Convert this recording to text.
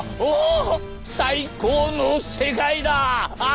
最高の世界だ！